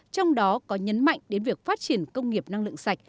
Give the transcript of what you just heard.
trong đó có nhấn mạnh đến việc phát triển công nghiệp năng lượng sạch